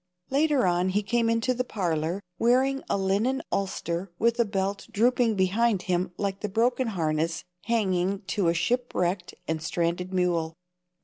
Later on he came into the parlor, wearing a linen ulster with the belt drooping behind him like the broken harness hanging to a shipwrecked and stranded mule.